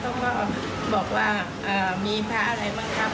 ก็เห็นพี่ฮิ่มพระเขาก็บอกว่าอ่ามีพระอะไรบ้างครับ